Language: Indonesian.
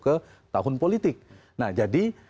ke tahun politik nah jadi